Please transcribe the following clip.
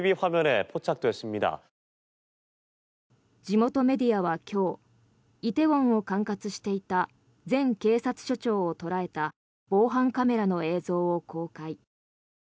地元メディアは今日イテウォンを管轄していた前警察署長を捉えた防犯カメラの映像を公開。